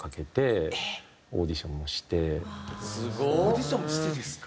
うわー。オーディションしてですか。